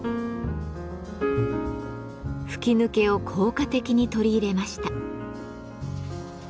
吹き抜けを効果的に取り入れました。